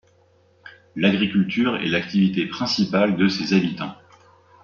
L'agriculture est l'activité principale de ses habitants.